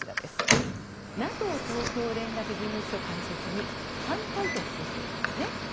ＮＡＴＯ東京連絡事務所開設に反対と言っているんです。